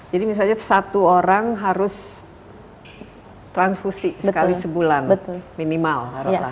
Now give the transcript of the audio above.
jadi misalnya satu orang harus transfusi sekali sebulan minimal